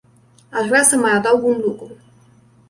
Aș vrea să mai adaug un lucru.